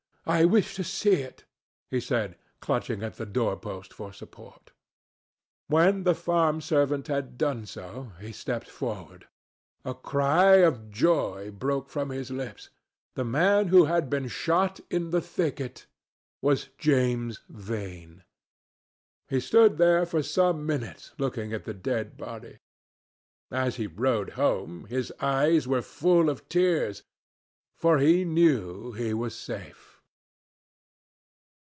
I wish to see it," he said, clutching at the door post for support. When the farm servant had done so, he stepped forward. A cry of joy broke from his lips. The man who had been shot in the thicket was James Vane. He stood there for some minutes looking at the dead body. As he rode home, his eyes were full of tears, for he knew he was safe.